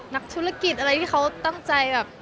นักธุรกิจอะไรที่เขาตั้งใจแบบ